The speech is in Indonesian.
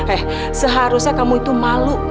kayak seharusnya kamu itu malu